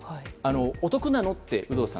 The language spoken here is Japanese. お得なの？と有働さん